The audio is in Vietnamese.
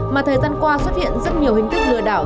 mà thời gian qua xuất hiện rất nhiều hình thức lừa đảo